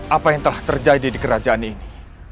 apa yang telah terjadi di kerajaan ini